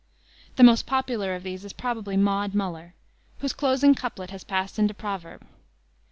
The most popular of these is probably Maud Muller, whose closing couplet has passed into proverb.